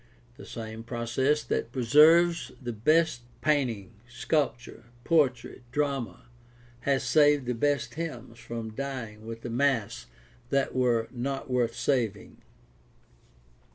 The same process that preserves the best painting, sculpture, poetry, drama, has saved the best hymns from dying with the mass that were not worth saving.